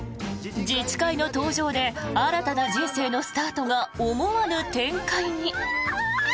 自治会の登場で新たな人生のスタートが思わぬ展開に。